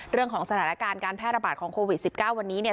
เรื่องของสถานการณ์การแพร่ระบาดของโควิด๑๙วันนี้เนี่ย